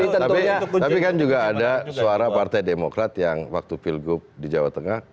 tapi kan juga ada suara partai demokrat yang waktu pilgub di jawa tengah